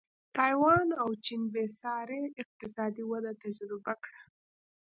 تایوان او چین بېسارې اقتصادي وده تجربه کړه.